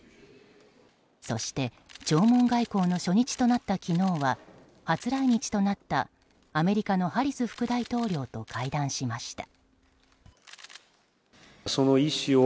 そして、弔問外交の初日となった昨日は、初来日となったアメリカのハリス副大統領と会談しました。